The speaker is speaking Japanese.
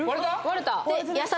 割れた？